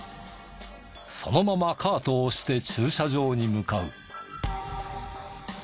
そのままカートを押して駐車場に向かう。